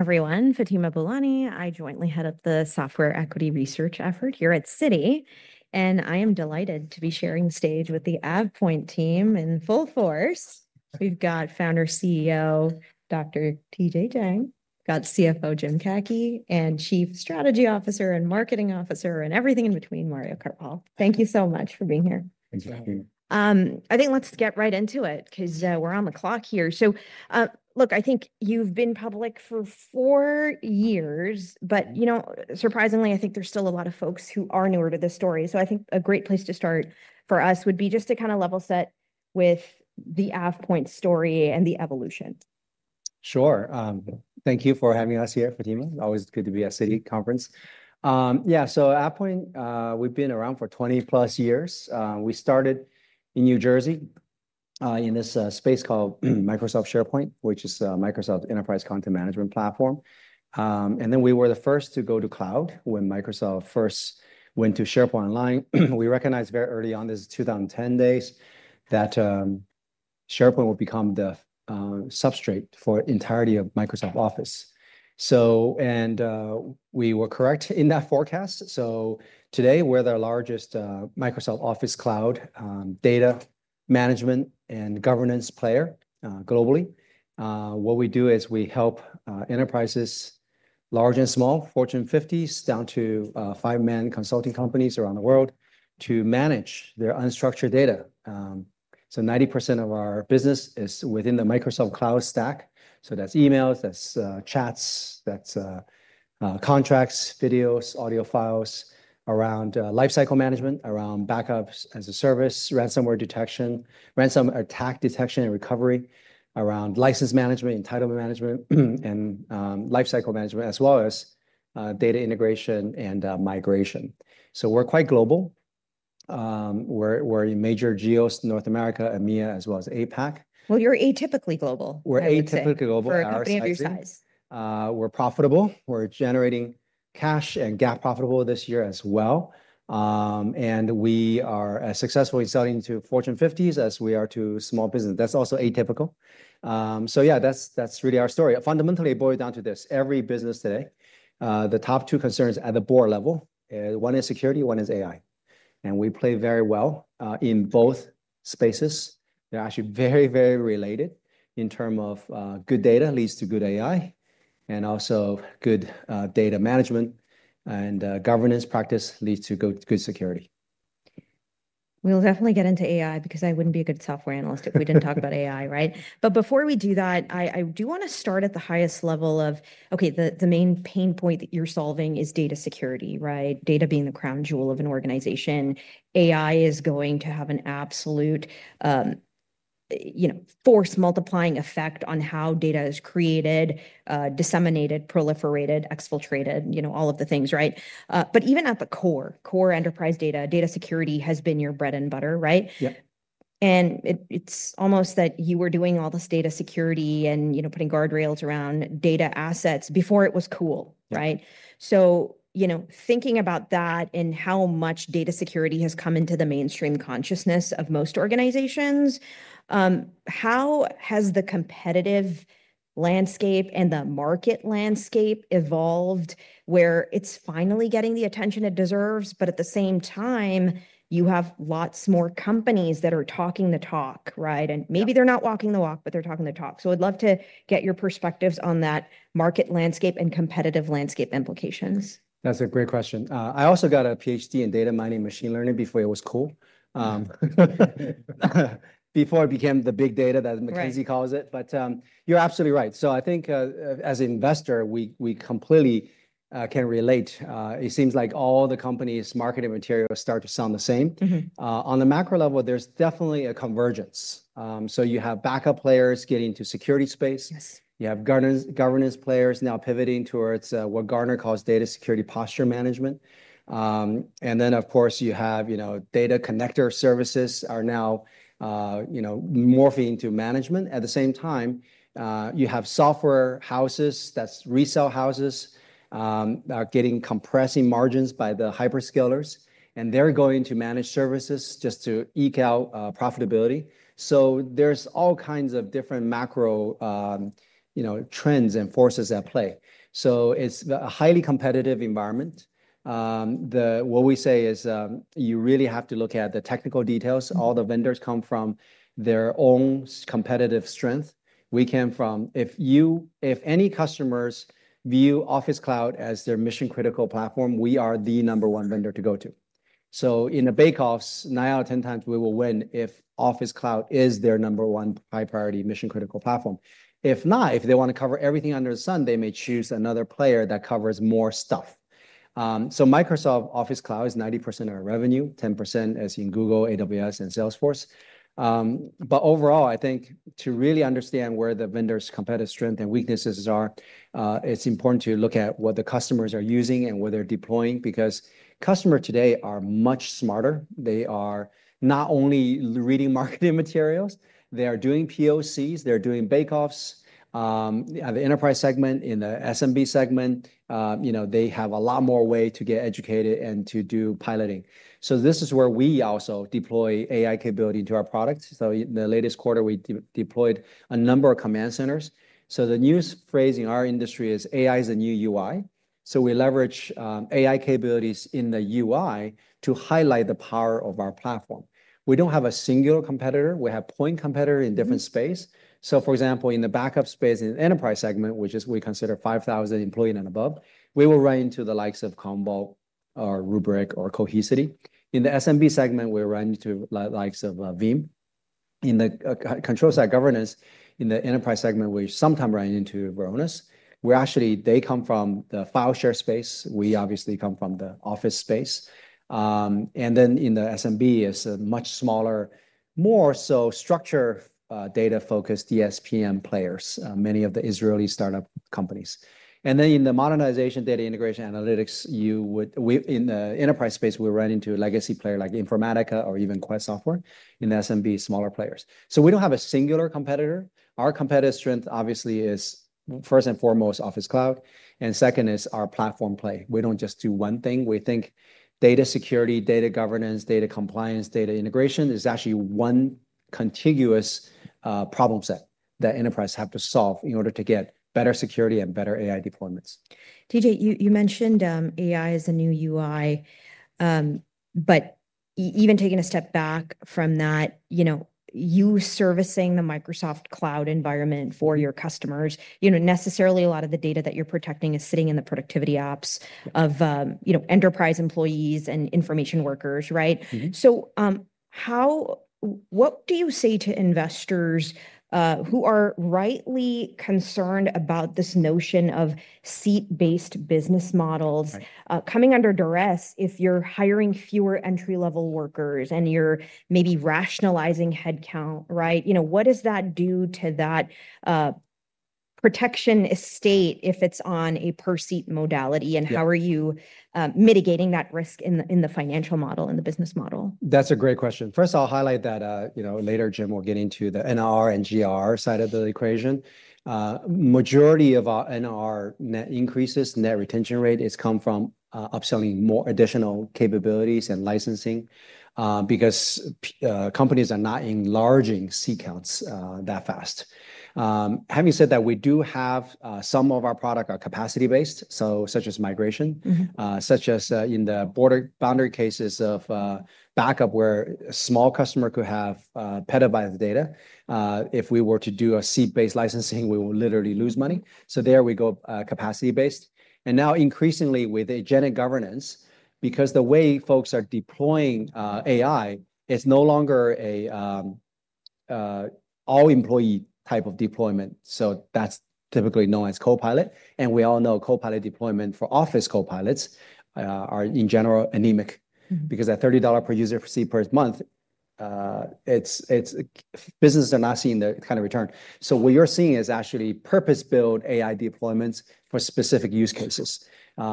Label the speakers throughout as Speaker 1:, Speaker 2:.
Speaker 1: Everyone. Fatima Boolani. I jointly head up the software equity research effort here at Citi, and I am delighted to be sharing stage with the AvPoint team in full force. We've got founder CEO, doctor TJ Jang. Got CFO, Jim Kaki, and chief strategy officer and marketing officer and everything in between, Mario Kartal. Thank you so much for being here.
Speaker 2: Thanks for having me.
Speaker 1: I think let's get right into it because, we're on the clock here. So, look. I think you've been public for four years, but, you know, surprisingly, I think there's still a lot of folks who are newer to this story. So I think a great place to start for us would be just to kinda level set with the AvPoint story and the evolution.
Speaker 2: Sure. Thank you for having us here, Fatima. Always good to be at Citi conference. Yeah. So AvPoint, we've been around for twenty plus years. We started in New Jersey, in this space called Microsoft SharePoint, which is Microsoft enterprise content management platform. And then we were the first to go to cloud when Microsoft first went to SharePoint online. We recognized very early on, this is two thousand ten days, that SharePoint will become the substrate for entirety of Microsoft Office. So and we were correct in that forecast. So today, we're the largest Microsoft Office cloud data management and governance player globally. What we do is we help enterprises, large and small, Fortune fifties down to five man consulting companies around the world to manage their unstructured data. So 90% of our business is within the Microsoft cloud stack. So that's emails, that's chats, that's contracts, videos, audio files around life cycle management, around backups as a service, ransomware detection, ransom attack detection and recovery around license management, entitlement management, and life cycle management, as well as data integration and migration. So we're quite global. We're we're in major geos, North America, EMEA, as well as APAC.
Speaker 1: Well, you're atypically global.
Speaker 2: Atypically global. Ours actually size. We're profitable. We're generating cash and GAAP profitable this year as well, and we are successfully selling to Fortune fifties as we are to small business. That's also atypical. So, yeah, that's that's really our story. Fundamentally, boils down to this. Every business today, the top two concerns at the board level, one is security, one is AI. And we play very well in both spaces. They're actually very, very related in term of good data leads to good AI and also good data management and governance practice leads to good good security.
Speaker 1: We'll definitely get into AI because I wouldn't be a good software analyst if we didn't talk about AI. Right? But before we do that, I I do wanna start at the highest level of, okay, the the main pain point that you're solving is data security. Right? Data being the crown jewel of an organization. AI is going to have an absolute, you know, force multiplying effect on how data is created, disseminated, proliferated, exfiltrated, you know, all of the things. Right? But even at the core, core enterprise data, data security has been your bread and butter. Right?
Speaker 2: Yep.
Speaker 1: And it it's almost that you were doing all this data security and, you know, putting guardrails around data assets before it was cool. Right? So, you know, thinking about that and how much data security has come into the mainstream consciousness of most organizations, how has the competitive landscape and the market landscape evolved where it's finally getting the attention it deserves, but at the same time, you have lots more companies that are talking the talk. Right? And maybe they're not walking the walk, but they're talking the talk. So I'd love to get your perspectives on that market landscape and competitive landscape implications.
Speaker 2: That's a great question. I also got a PhD in data mining machine learning before it was cool, before it became the big data that McKinsey calls it. But, you're absolutely right. So I think, as an investor, we we completely, can relate. It seems like all the company's marketing materials start to sound the same.
Speaker 1: Mhmm.
Speaker 2: On the macro level, there's definitely a convergence. So you have backup players getting to security space.
Speaker 1: Yes.
Speaker 2: You have governance governance players now pivoting towards what Gartner calls data security posture management. And then, of course, you have, you know, data connector services are now, you know, morphing into management. At the same time, you have software houses, that's resell houses that are getting compressing margins by the hyperscalers, and they're going to manage services just to eke out profitability. So there's all kinds of different macro, you know, trends and forces at play. So it's a highly competitive environment. The what we say is you really have to look at the technical details. All the vendors come from their own competitive strength. We came from if you if any customers view Office Cloud as their mission critical platform, we are the number one vendor to go to. So in the bake offs, nine out of 10 times we will win if Office Cloud is their number one high priority mission critical platform. If not, if they wanna cover everything under the sun, they may choose another player that covers more stuff. So Microsoft Office Cloud is 90% of our revenue, 10% as in Google, AWS, and Salesforce. But, overall, I think to really understand where the vendor's competitive strength and weaknesses are, it's important to look at what the customers are using and where they're deploying because customer today are much smarter. They are not only reading marketing materials. They are doing POCs. They're doing bake offs. The enterprise segment, in the SMB segment, you know, they have a lot more way to get educated and to do piloting. So this is where we also deploy AI capability to our products. So in the latest quarter, we deployed a number of command centers. So the news phrase in our industry is AI is a new UI. So we leverage, AI capabilities in the UI to highlight the power of our platform. We don't have a singular competitor. We have point competitor in different space. So, for example, in the backup space and enterprise segment, which is we consider 5,000 employee and above, we will run into the likes of Commvault or Rubrik or Cohesity. In the SMB segment, we run into likes of Veeam. In the control side governance, in the enterprise segment, we sometime run into Veronis. We're actually they come from the file share space. We obviously come from the office space. And then in the SMB is a much smaller, more so structure data focused DSPM players, many of the Israeli startup companies. And then in the modernization data integration analytics, you would we in the enterprise space, we run into a legacy player like Informatica or even Quest Software in SMB smaller players. So we don't have a singular competitor. Our competitive strength, obviously, is, first and foremost, Office Cloud, and second is our platform play. We don't just do one thing. We think data security, data governance, data compliance, data integration is actually one contiguous problem set that enterprise have to solve in order to get better security and better AI deployments.
Speaker 1: TJ, you you mentioned AI is a new UI, but even taking a step back from that, you know, you servicing the Microsoft cloud environment for your customers, Necessarily, a lot of the data that you're protecting is sitting in the productivity ops of enterprise employees and information workers. Right?
Speaker 2: Mhmm.
Speaker 1: So how what do you say to investors who are rightly concerned about this notion of seat based business models coming under duress if you're hiring fewer entry level workers and you're maybe rationalizing head count. Right? You know, what does that do to that protection estate if it's on a per seat modality, and how are you mitigating that risk in the in the financial model, in the business model?
Speaker 2: That's a great question. First, I'll highlight that, you know, later, Jim, we'll get into the NRR and GRR side of the equation. Majority of our NRR net increases, net retention rate has come from upselling more additional capabilities and licensing because companies are not enlarging c counts that fast. Having said that, we do have some of our product are capacity based, so such as migration Mhmm. Such as in the border boundary cases of backup where a small customer could have petabyte of data. If we were to do a seat based licensing, we will literally lose money. So there we go, capacity based. And now increasingly with a genic governance, because the way folks are deploying, AI is no longer a all employee type of deployment. So that's typically known as Copilot, and we all know Copilot deployment for office Copilots are, in general, anemic. Because that $30 per user per seat per month, it's it's business are not seeing the kind of return. So what you're seeing is actually purpose built AI deployments for specific use cases.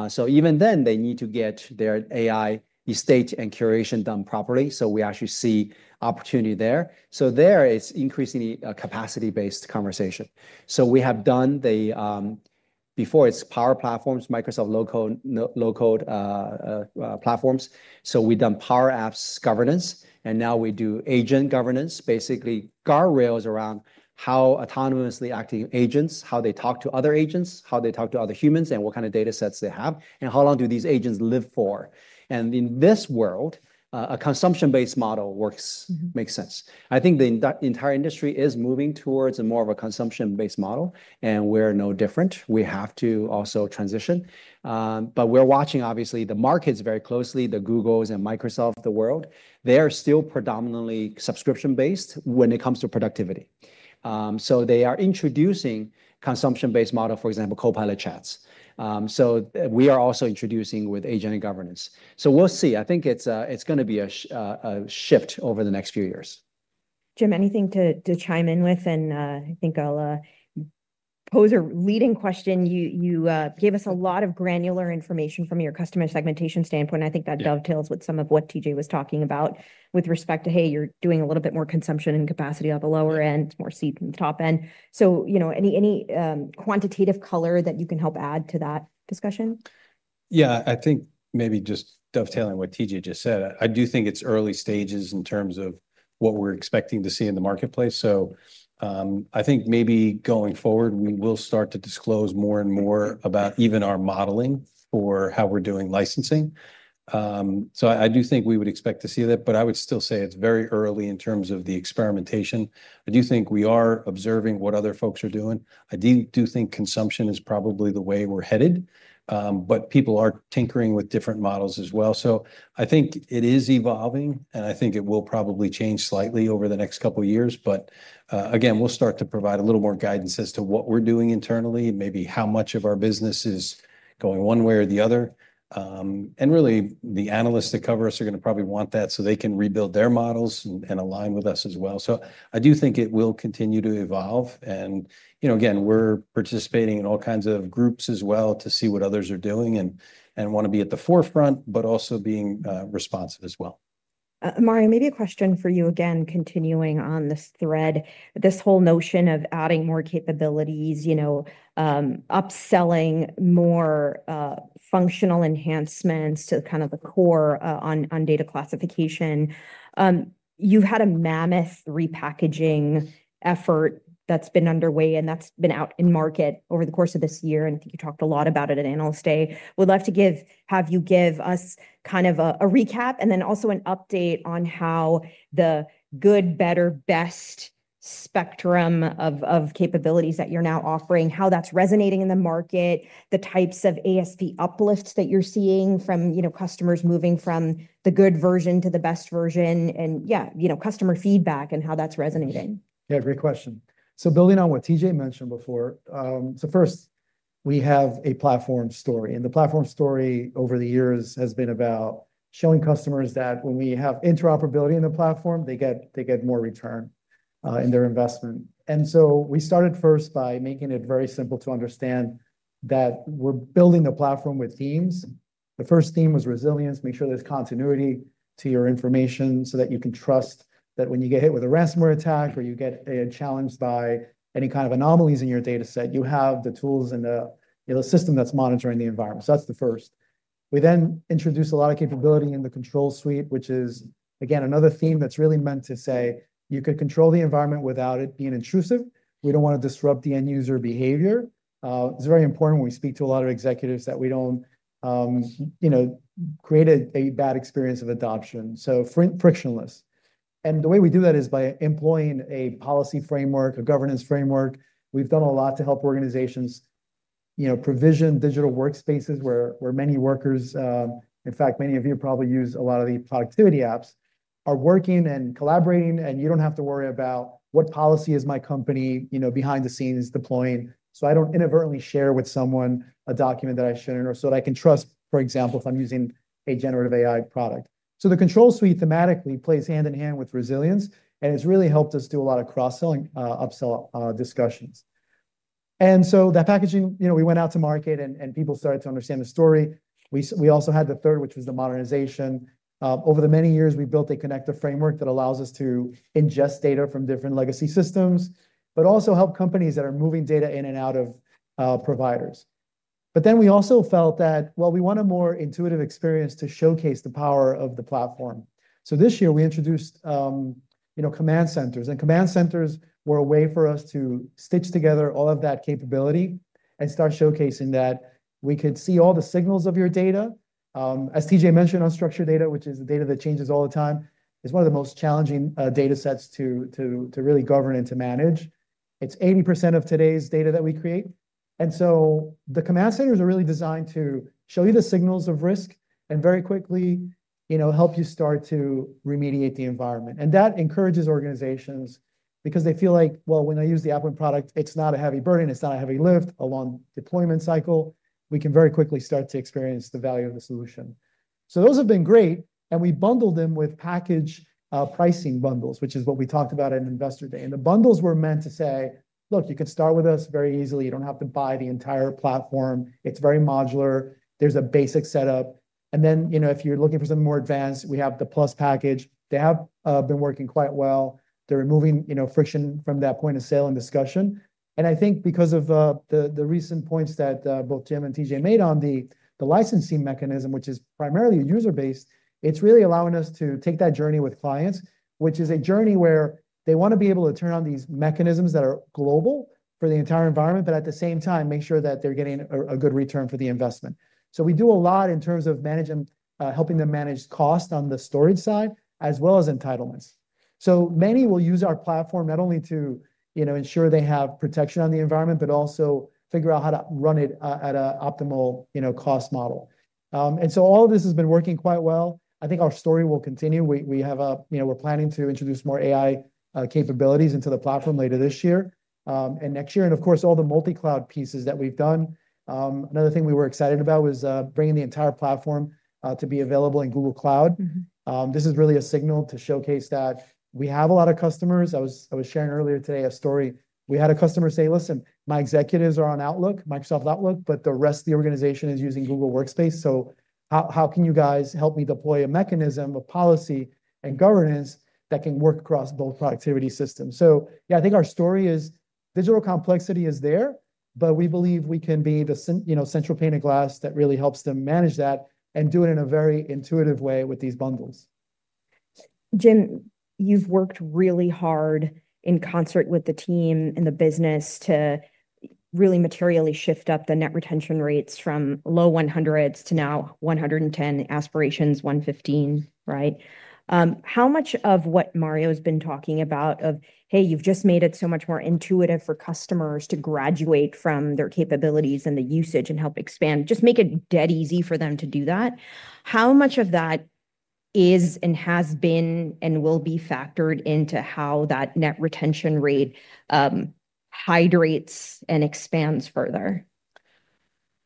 Speaker 2: So even then, they need to get their AI estate and curation done properly, so we actually see opportunity there. So there is increasingly a capacity based conversation. So we have done the before it's power platforms, Microsoft low code low code platforms. So we've done power apps governance, and now we do agent governance, basically, guardrails around how autonomously acting agents, how they talk to other agents, how they talk to other humans, and what kind of datasets they have, and how long do these agents live for. And in this world, a consumption based model works Mhmm. Makes sense. I think the entire industry is moving towards a more of a consumption based model, and we're no different. We have to also transition. But we're watching, obviously, the markets very closely, the Googles and Microsoft, the world. They are still predominantly subscription based when it comes to productivity. So they are introducing consumption based model, for example, Copilot chats. So we are also introducing with agent and governance. So we'll see. I think it's going to be a shift over the next few years.
Speaker 1: Jim, anything to chime in with? And I think I'll pose a leading question. You gave us a lot of granular information from your customer segmentation standpoint. I think that dovetails with some of what TJ was talking about with respect to, hey. You're doing a little bit more consumption and capacity on the lower end, more seat in the top end. So, you know, any any quantitative color that you can help add to that discussion?
Speaker 3: Yeah. I think maybe just dovetailing what TJ just said. I do think it's early stages in terms of what we're expecting to see in the marketplace. So, I think maybe going forward, we will start to disclose more and more about even our modeling for how we're doing licensing. So I do think we would expect to see that, but I would still say it's very early in terms of the experimentation. I do think we are observing what other folks are doing. I do do think consumption is probably the way we're headed, but people are tinkering with different models as well. So I think it is evolving, and I think it will probably change slightly over the next couple years. But, again, we'll start to provide a little more guidance as to what we're doing internally, maybe how much of our business is going one way or the other. And, really, the analysts that cover us are gonna probably want that so they can rebuild their models and align with us as well. So I do think it will continue to evolve. And, you know, again, we're participating in all kinds of groups as well to see what others are doing and and wanna be at the forefront, but also being, responsive as well.
Speaker 1: Mario, maybe a question for you again continuing on this thread. This whole notion of adding more capabilities, you know, upselling more functional enhancements to kind of the core on on data classification. You've had a mammoth repackaging effort that's been underway, and that's been out in market over the course of this year, and think you talked a lot about it at Analyst Day. Would love to give have you give us kind of a a recap and then also an update on how the good, better, best spectrum of of capabilities that you're now offering, how that's resonating in the market, the types of ASP uplift that you're seeing from, you know, customers moving from the good version to the best version, and, yeah, you know, customer feedback and how that's resonating.
Speaker 4: Yeah. Great question. So building on what TJ mentioned before. So first, we have a platform story, and the platform story over the years has been about showing customers that when we have interoperability in the platform, they get they get more return in their investment. And so we started first by making it very simple to understand that we're building a platform with themes. The first theme was resilience. Make sure there's continuity to your information so that you can trust that when you get hit with a ransomware attack or you get challenged by any kind of anomalies in your dataset, you have the tools and the, you know, system that's monitoring the environment. So that's the first. We then introduced a lot of capability in the control suite, which is, again, another theme that's really meant to say, you could control the environment without it being intrusive. We don't wanna disrupt the end user behavior. It's very important when we speak to a lot of executives that we don't, you know, create a a bad experience of adoption. So fringe frictionless. And the way we do that is by employing a policy framework, a governance framework. We've done a lot to help organizations, you know, provision digital workspaces where where many workers in fact, many of you probably use a lot of the productivity apps, are working and collaborating, and you don't have to worry about what policy is my company, you know, behind the scenes deploying so I don't inadvertently share with someone a document that I shouldn't or so that I can trust, for example, if I'm using a generative AI product. So the control suite thematically plays hand in hand with resilience, and it's really helped us do a lot of cross selling, upsell discussions. And so that packaging you know, we went out to market, and and people started to understand the story. We we also had the third, which was the modernization. Over the many years, we built a connector framework that allows us to ingest data from different legacy systems, but also help companies that are moving data in and out of providers. But then we also felt that, well, we want a more intuitive experience to showcase the power of the platform. So this year, we introduced, you know, command centers, and command centers were a way for us to stitch together all of that capability and start showcasing that we could see all the signals of your data. As TJ mentioned, unstructured data, which is the data that changes all the time, is one of the most challenging datasets to to to really govern and to manage. It's 80% of today's data that we create. And so the command centers are really designed to show you the signals of risk and very quickly, you know, help you start to remediate the environment. And that encourages organizations because they feel like, well, when I use the AppWind product, it's not a heavy burden. It's not a heavy lift, a long deployment cycle. We can very quickly start to experience the value of the solution. So those have been great, and we bundled them with package pricing bundles, which is what we talked about at Investor Day. And the bundles were meant to say, look. You could start with us very easily. You don't have to buy the entire platform. It's very modular. There's a basic setup. And then, you know, if you're looking for something more advanced, we have the plus package. They have been working quite well. They're removing, you know, friction from that point of sale and discussion. And I think because of the the recent points that both Jim and TJ made on the the licensing mechanism, which is primarily user based, it's really allowing us to take that journey with clients, which is a journey where they wanna be able to turn on these mechanisms that are global the entire environment, but at the same time, make sure that they're getting a a good return for the investment. So we do a lot in terms of managing helping them manage cost on the storage side as well as entitlements. So many will use our platform not only to, you know, ensure they have protection on the environment, but also figure out how to run it at a optimal, you know, cost model. And so all of this has been working quite well. I think our story will continue. We we have a you know, we're planning to introduce more AI capabilities into the platform later this year and next year, and, of course, all the multi cloud pieces that we've done. Another thing we were excited about was bringing the entire platform to be available in Google Cloud.
Speaker 1: Mhmm.
Speaker 4: This is really a signal to showcase that we have a lot of customers. I was I was sharing earlier today a story. We had a customer say, listen. My executives are on Outlook, Microsoft Outlook, but the rest of the organization is using Google Workspace. So how how can you guys help me deploy a mechanism of policy and governance that can work across both productivity systems? So, yeah, I think our story is digital complexity is there, but we believe we can be the, you know, central pane of glass that really helps them manage that and do it in a very intuitive way with these bundles.
Speaker 1: Jim, you've worked really hard in concert with the team in the business to really materially shift up the net retention rates from low one hundreds to now 110 aspirations, one fifteen. Right? How much of what Mario has been talking about of, hey, you've just made it so much more intuitive for customers to graduate from their capabilities and the usage and help expand. Just make it dead easy for them to do that. How much of that is and has been and will be factored into how that net retention rate hydrates and expands further?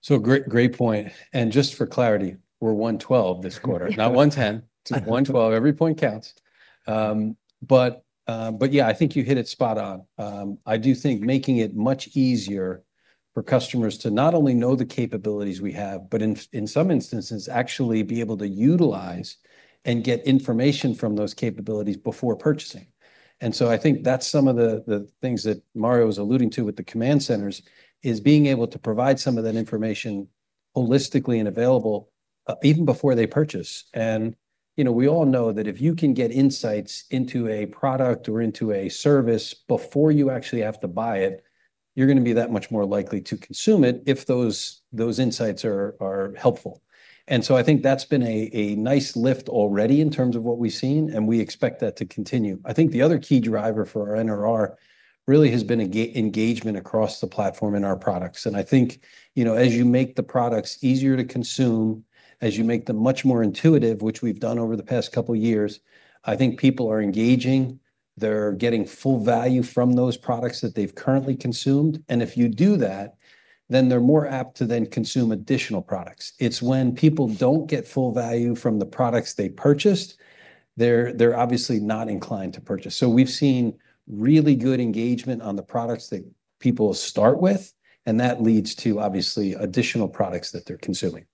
Speaker 3: So great great point. And just for clarity, we're one twelve this quarter. Not one ten. It's one twelve. Every point counts. But but, yeah, I think you hit it spot on. I do think making it much easier for customers to not only know the capabilities we have, but in in some instances, be able to utilize and get information from those capabilities before purchasing. And so I think that's some of the the things that Mario was alluding to with the command centers is being able to provide some of that information holistically and available even before they purchase. And, you know, we all know that if you can get insights into a product or into a service before you actually have to buy it, you're gonna be that much more likely to consume it if those those insights are are helpful. And so I think that's been a a nice lift already in terms of what we've seen, and we expect that to continue. I think the other key driver for our NRR really has been engagement across the platform in our products. And I think, you know, as you make the products easier to consume, as you make them much more intuitive, which we've done over the past couple years, I think people are engaging. They're getting full value from those products that they've currently consumed. And if you do that, then they're more apt to then consume additional products. It's when people don't get full value from the products they purchased, they're they're obviously not inclined to purchase. So we've seen really good engagement on the products that people start with, and that leads to, obviously, additional products that they're consuming.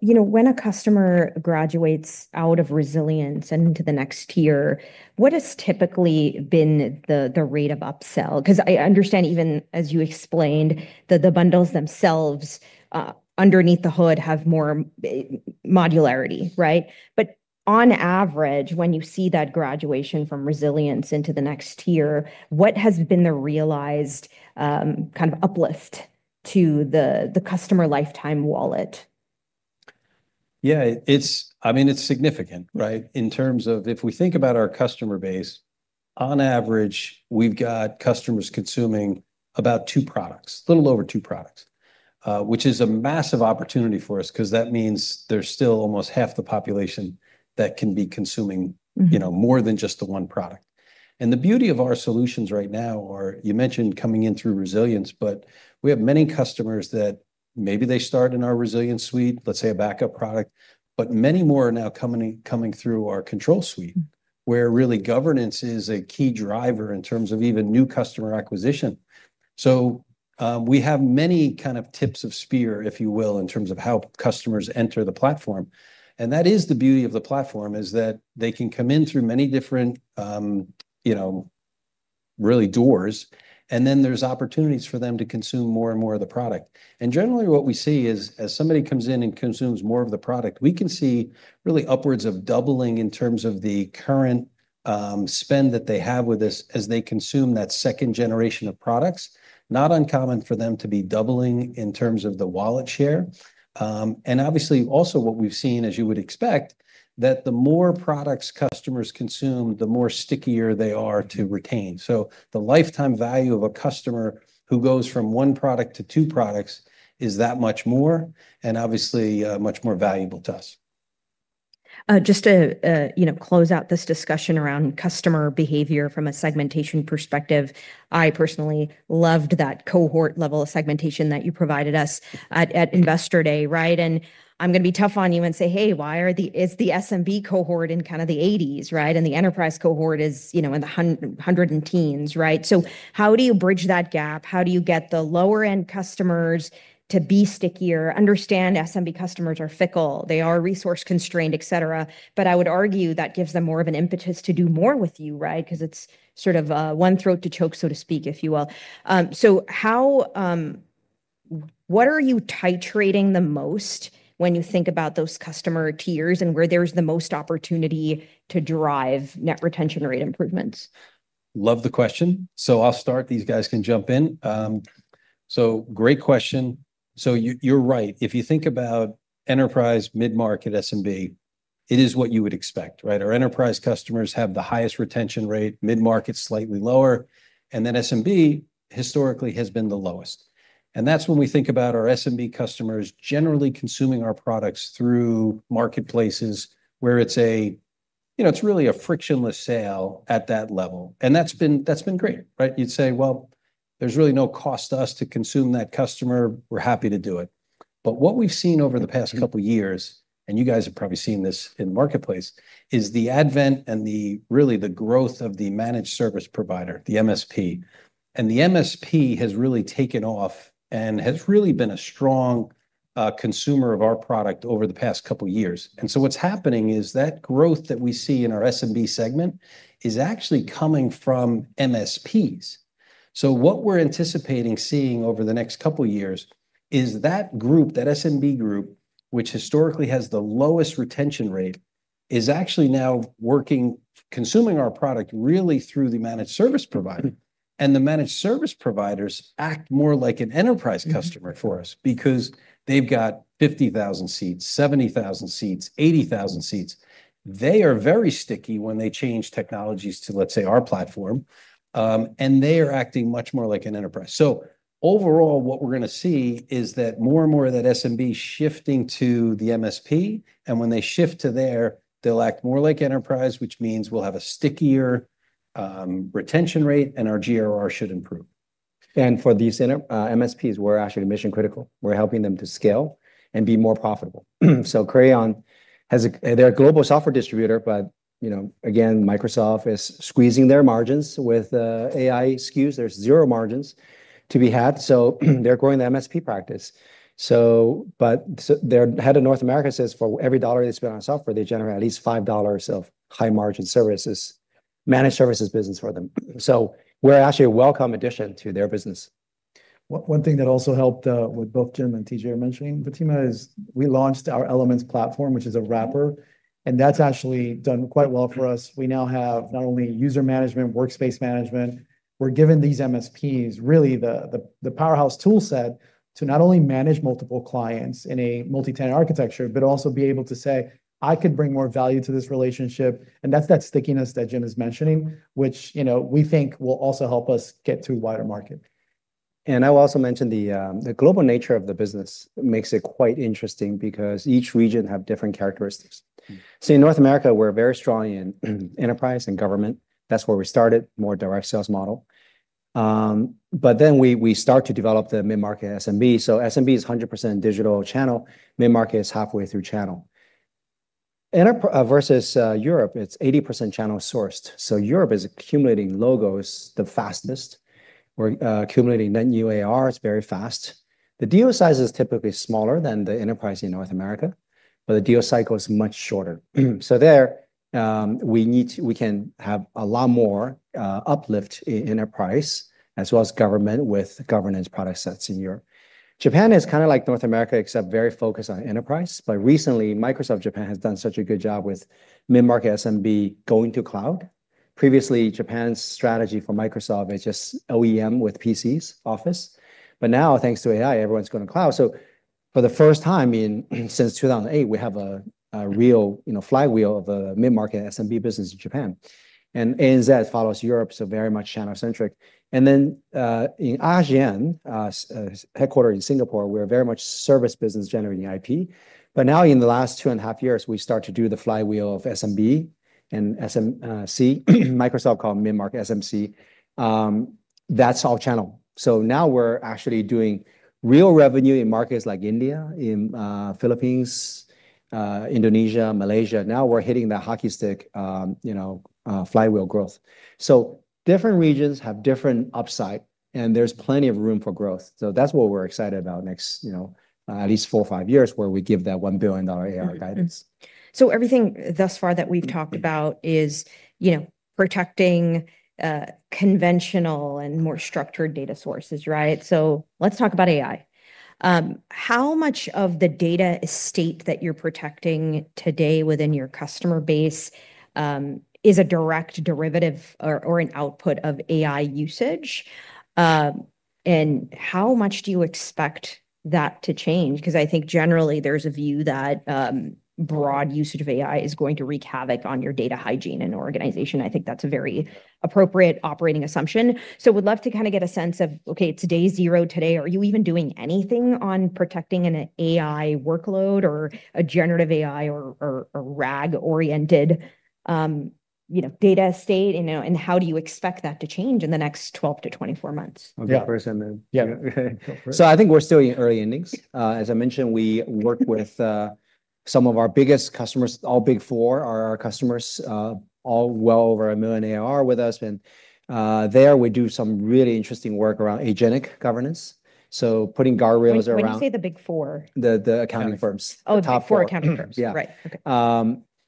Speaker 1: You know, when a customer graduates out of resilience into the next tier, what has typically been the the rate of upsell? Because I understand even as you explained that the bundles themselves, underneath the hood have more modularity. Right? But on average, when you see that graduation from resilience into the next tier, what has been the realized kind of uplift to the the customer lifetime wallet?
Speaker 3: Yeah. It's I mean, it's significant, right, in terms of if we think about our customer base, on average, we've got customers consuming about two products, little over two products, which is a massive opportunity for us because that means there's still almost half the population that can be consuming, you know, more than just the one product. And the beauty of our solutions right now are you mentioned coming in through resilience, but we have many customers that maybe they start in our resilience suite, let's say, a backup product, but many more are now coming coming through our control suite, where really governance is a key driver in terms of even new customer acquisition. So we have many kind of tips of spear, if you will, in terms of how customers enter the platform. And that is the beauty of the platform is that they can come in through many different, you know, really doors, and then there's opportunities for them to consume more and more of the product. And generally, what we see is as somebody comes in and consumes more of the product, we can see really upwards of doubling in terms of the current spend that they have with this as they consume that second generation of products. Not uncommon for them to be doubling in terms of the wallet share. And obviously, also what we've seen, as you would expect, that the more products customers consume, the more stickier they are to retain. So the lifetime value of a customer who goes from one product to two products is that much more and obviously much more valuable to us.
Speaker 1: Just to close out this discussion around customer behavior from a segmentation perspective, I personally loved that cohort level of segmentation that you provided us at at Investor Day. Right? And I'm gonna be tough on you and say, hey. Why are the it's the SMB cohort in kind of the eighties. Right? And the enterprise cohort is, you know, in the hundred hundred and teens. Right? So how do you bridge that gap? How do you get the lower end customers to be stickier? Understand SMB customers are fickle. They are resource constrained, etcetera. But I would argue that gives them more of an impetus to do more with you. Right? Because it's sort of a one throat to choke, so to speak, if you will. So how what are you titrating the most when you think about those customer tiers and where there's the most opportunity to drive net retention rate improvements?
Speaker 3: Love the question. So I'll start. These guys can jump in. So great question. So you you're right. If you think about enterprise mid market SMB, it is what you would expect. Right? Our enterprise customers have the highest retention rate, mid market slightly lower, and then SMB historically has been the lowest. And that's when we think about our SMB customers generally consuming our products through marketplaces where it's a you know, it's really a frictionless sale at that level. And that's been that's been great. Right? You'd say, well, there's really no cost to us to consume that customer. We're happy to do it. But what we've seen over the past couple years, and you guys have probably seen this in marketplace, is the advent and the, really, the growth of the managed service provider, the MSP. And the MSP has really taken off and has really been a strong consumer of our product over the past couple years. And so what's happening is that growth that we see in our SMB segment is actually coming from MSPs. So what we're anticipating seeing over the next couple years is that group, that SMB group, which historically has the lowest retention rate, is actually now working consuming our product really through the managed service provider. And the managed service providers act more like an enterprise customer for us because they've got 50,000 seats, 70,000 seats, 80,000 seats. They are very sticky when they change technologies to, let's say, our platform, and they are acting much more like an enterprise. So overall, what we're gonna see is that more and more of that SMB shifting to the MSP, and when they shift to there, they'll act more like enterprise, which means we'll have a stickier, retention rate, and our GRR should improve.
Speaker 2: And for these inter MSPs, we're actually mission critical. We're helping them to scale and be more profitable. So Crayon has a they're a global software distributor, but, you know, again, Microsoft is squeezing their margins with AI SKUs. There's zero margins to be had, so they're growing the MSP practice. So but their head of North America says for every dollar they spend on software, they generate at least $5 of high margin services managed services business for them. So we're actually a welcome addition to their business.
Speaker 4: One thing that also helped with both Jim and TJ mentioning, Fatima, is we launched our Elements platform, which is a wrapper, and that's actually done quite well for us. We now have not only user management, workspace management. We're given these MSPs, really, the the the powerhouse toolset to not only manage multiple clients in a multitenant architecture, but also be able to say, I could bring more value to this relationship. And that's that stickiness that Jim is mentioning, which, you know, we think will also help us get to wider market.
Speaker 2: And I'll also mention the the global nature of the business makes it quite interesting because each region have different characteristics. So in North America, we're very strong in enterprise and government. That's where we started, more direct sales model. But then we we start to develop the mid market SMB. So SMB is 100% digital channel. Mid market is halfway through channel. And our versus Europe, it's 80% channel sourced. So Europe is accumulating logos the fastest. We're accumulating net new ARs very fast. The deal size is typically smaller than the enterprise in North America, but the deal cycle is much shorter. So there, we need to we can have a lot more uplift in enterprise as well as government with governance product sets in Europe. Japan is kind of like North America except very focused on enterprise, but recently Microsoft Japan has done such a good job with mid market SMB going to cloud. Previously, Japan's strategy for Microsoft is just OEM with PCs, office. But now thanks to AI, everyone's going to cloud. So for the first time in since 02/2008, we have a a real, you know, flywheel of a mid market SMB business in Japan. And and that follows Europe, so very much channel centric. And then in ASEAN, headquarter in Singapore, we're very much service business generating IP. But now in the last two and a half years, we start to do the flywheel of SMB and s m c, Microsoft called mid market SMC. That's all channel. So now we're actually doing real revenue in markets like India, in Philippines, Indonesia, Malaysia, now we're hitting the hockey stick, you know, flywheel growth. So different regions have different upside, and there's plenty of room for growth. So that's what we're excited about next, you know, at least four, five years where we give that $1,000,000,000 AI guidance.
Speaker 1: So everything thus far that we've talked about is, you know, protecting conventional and more structured data sources. Right? So let's talk about AI. How much of the data estate that you're protecting today within your customer base is a direct derivative or or an output of AI usage? And how much do you expect that to change? Because I think generally, there's a view that broad usage of AI is going to wreak havoc on your data hygiene and organization. I think that's a very appropriate operating assumption. So we'd love to kinda get a sense of, okay. Today is zero today. Are you even doing anything on protecting an AI workload or a generative AI or or a rag oriented, you know, data state? You know? And how do you expect that to change in the next twelve to twenty four months?
Speaker 2: I'll get first, and then Yeah.
Speaker 3: Go for it.
Speaker 2: So I think we're still in early innings. As I mentioned, we work with some of our biggest customers. All big four are our customers all well over a million ARR with us. And there, we do some really interesting work around agenic governance. So putting guardrails around
Speaker 1: say the big four?
Speaker 2: The the accounting firms. Oh, the top
Speaker 1: four accounting firms.
Speaker 2: Yeah.
Speaker 1: Right.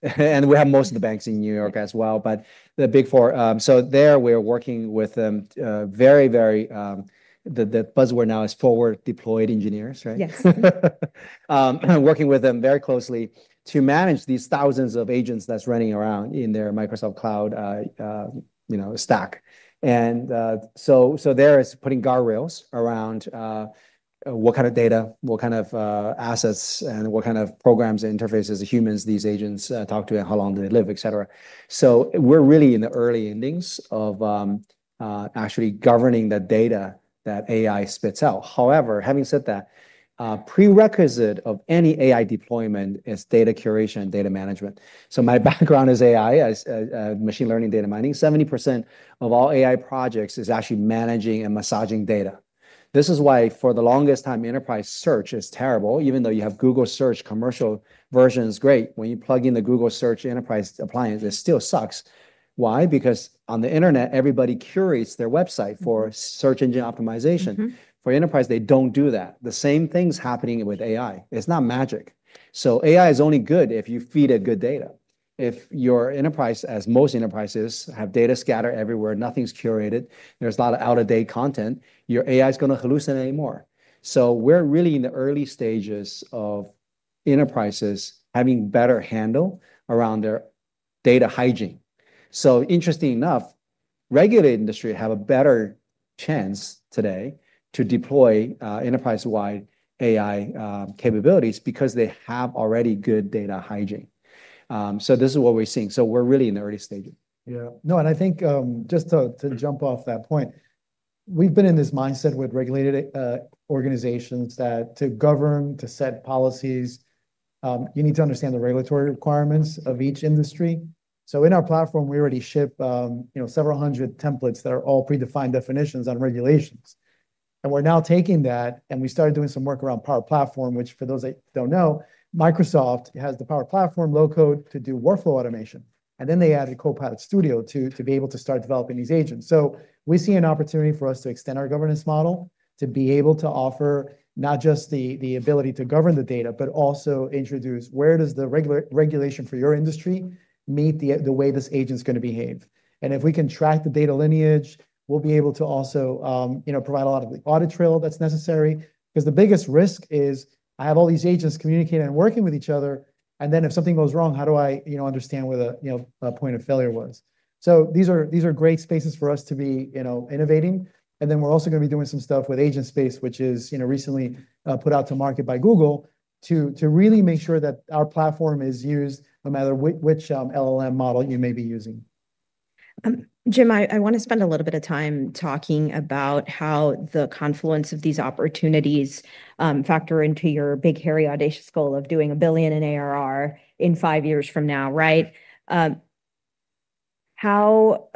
Speaker 1: Okay.
Speaker 2: And we have most of the banks in New York as well, but the big four so there, we are working with them very, very the the buzzword now is forward deployed engineers. Right?
Speaker 1: Yes.
Speaker 2: Working with them very closely to manage these thousands of agents that's running around in their Microsoft cloud, you know, stack. And so so there is putting guardrails around what kind of data, what kind of assets, and what kind of programs and interfaces the humans these agents talk to and how long do they live, etcetera. So we're really in the early innings of actually governing the data that AI spits out. However, having said that, prerequisite of any AI deployment is data curation and data management. So my background is AI. I machine learning data mining. 70% of all AI projects is actually managing and massaging data. This is why for the longest time, enterprise search is terrible even though you have Google search commercial version is great. When you plug in the Google search enterprise appliance, it still sucks. Why? Because on the Internet, everybody curates their website for search engine optimization.
Speaker 1: Mhmm.
Speaker 2: For enterprise, they don't do that. The same thing's happening with AI. It's not magic. So AI is only good if you feed a good data. If your enterprise, as most enterprises, have data scattered everywhere, nothing's curated, there's a lot of out of date content, your AI is gonna hallucinate anymore. So we're really in the early stages of enterprises having better handle around their data hygiene. So interesting enough, regulated industry have a better chance today to deploy enterprise wide AI capabilities because they have already good data hygiene. So this is what we're seeing. So we're really in the early stages.
Speaker 4: Yeah. No. And I think just to to jump off that point, we've been in this mindset with regulated organizations that to govern, to set policies, you need to understand the regulatory requirements of each industry. So in our platform, we already ship, you know, several 100 templates that are all predefined definitions on regulations. And we're now taking that, and we started doing some work around Power Platform, which for those that don't know, Microsoft has the Power Platform low code to do workflow automation. And then they added Copilot Studio to to be able to start developing these agents. So we see an opportunity for us to extend our governance model to be able to offer not just the the ability to govern the data, but also introduce where does the regular regulation for your industry meet the the way this agent's gonna behave. And if we can track the data lineage, we'll be able to also, you know, provide a lot of the audit trail that's necessary. Because the biggest risk is I have all these agents communicating and working with each other, and then if something goes wrong, how do I, you know, understand where the, you know, a point of failure was? So these are these are great spaces for us to be, you know, innovating. And then we're also gonna be doing some stuff with agent space, which is, you know, recently put out to market by Google to to really make sure that our platform is used no matter which LLM model you may be using.
Speaker 1: Jim, I I wanna spend a little bit of time talking about how the confluence of these opportunities factor into your big hairy audacious goal of doing a billion in ARR in five years from now. Right? How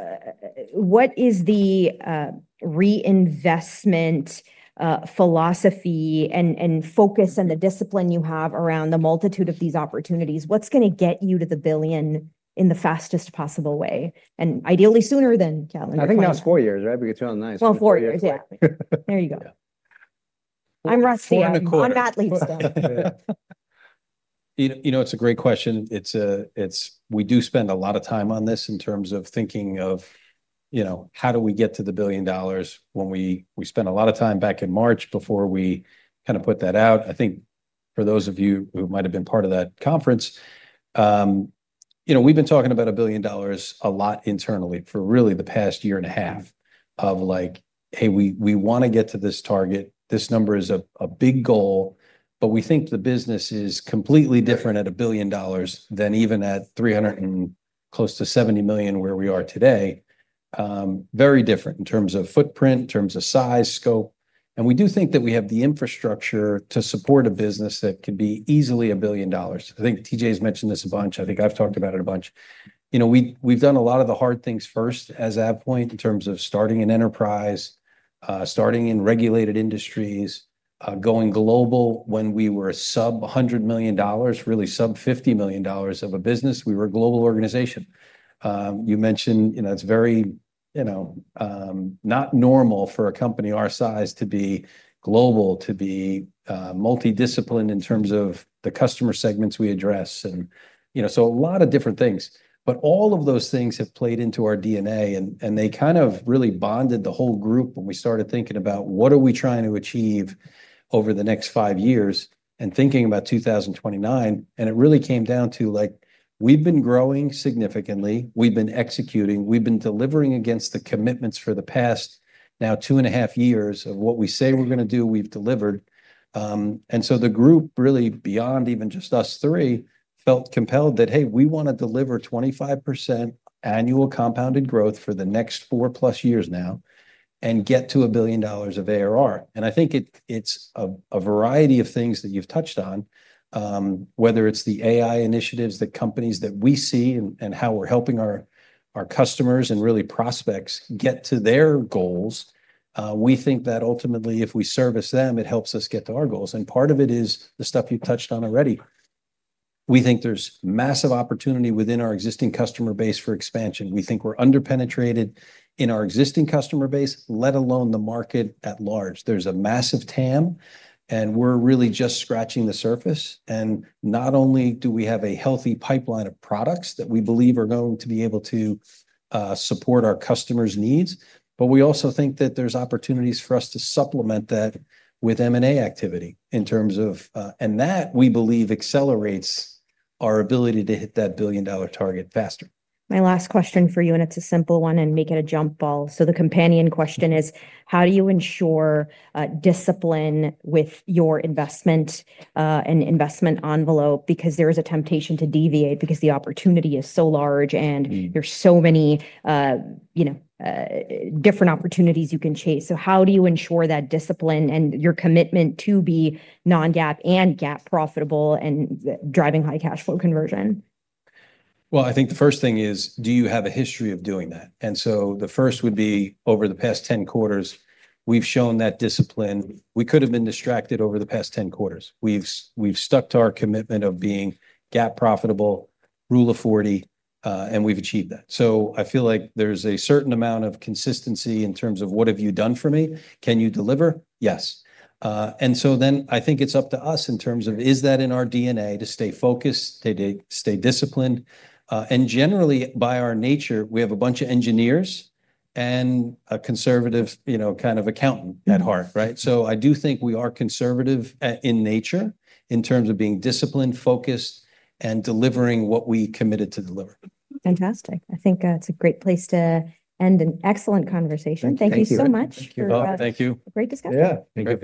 Speaker 1: what is the reinvestment philosophy and and focus and the discipline you have around the multitude of these opportunities? What's gonna get you to the billion in the fastest possible way? And ideally sooner than calendar I
Speaker 2: think now it's four years. Right? Because you're on the ninth.
Speaker 1: Oh, four years. Exactly. There you go. I'm Russ Sam. I'm Matt Leeds now.
Speaker 3: You know, it's a great question. It's a it's we do spend a lot of time on this in terms of thinking of, you know, how do we get to the billion dollars when we we spent a lot of time back in March before we kind of put that out. I think for those of you who might have been part of that conference, you know, we've been talking about a billion dollars a lot internally for really the past year and a half of, hey. We we wanna get to this target. This number is a a big goal, but we think the business is completely different at $1,000,000,000 than even at 300,000,000 close to $70,000,000 where we are today. Very different in terms of footprint, in terms of size, scope. We do think that we have the infrastructure to support a business that could be easily a billion dollars. I think TJ has mentioned this a bunch. I think I've talked about it a bunch. You know, we we've done a lot of the hard things first as that point in terms of starting an enterprise, starting in regulated industries, going global when we were sub a $100,000,000, really sub $50,000,000 of a business. We were a global organization. You mentioned, you know, it's very, you know, not normal for a company our size to be global, to be multidisciplinary in terms of the customer segments we address and you know? So a lot of different things. But all of those things have played into our DNA, and and they kind of really bonded the whole group when we started thinking about what are we trying to achieve over the next five years and thinking about 2,029. And it really came down to, like, we've been growing significantly. We've been executing. We've been delivering against the commitments for the past now two and a half years of what we say we're gonna do, we've delivered. And so the group really beyond even just us three felt compelled that, hey. We wanna deliver 25% annual compounded growth for the next four plus years now and get to a billion dollars of ARR. And I think it it's a a variety of things that you've touched on, whether it's the AI initiatives that companies that we see and and how we're helping our our customers and really prospects get to their goals. We think that ultimately, if we service them, it helps us get to our goals. And part of it is the stuff you touched on already. We think there's massive opportunity within our existing customer base for expansion. We think we're underpenetrated in our existing customer base, let alone the market at large. There's a massive TAM, and we're really just scratching the surface. And not only do we have a healthy pipeline of products that we believe are going to be able to support our customers' needs, but we also think that there's opportunities for us to supplement that with M and A activity in terms of and that, we believe, accelerates our ability to hit that billion dollar target faster.
Speaker 1: My last question for you, and it's a simple one and make it a jump ball. So the companion question is, how do you ensure discipline with your investment and investment envelope because there is a temptation to deviate because the opportunity is so large and there's so many, you know, different opportunities you can chase. So how do you ensure that discipline and your commitment to be non GAAP and GAAP profitable and driving high cash flow conversion?
Speaker 3: Well, I think the first thing is, do you have a history of doing that? And so the first would be over the past ten quarters, we've shown that discipline. We could have been distracted over the past ten quarters. We've we've stuck to our commitment of being GAAP profitable, rule of 40, and we've achieved that. So I feel like there's a certain amount of consistency in terms of what have you done for me. Can you deliver? Yes. And so then I think it's up to us in terms of is that in our DNA to stay focused, stay stay disciplined. And, generally, by our nature, we have a bunch of engineers and a conservative, you know, kind of accountant at heart. Right? So I do think we are conservative in nature in terms of being disciplined, focused, and delivering what we committed to deliver.
Speaker 1: Fantastic. I think that's a great place to end an excellent conversation. Thank you so much.
Speaker 3: You're welcome. Thank you.
Speaker 1: Great discussion.
Speaker 4: Yeah.
Speaker 2: Thank you.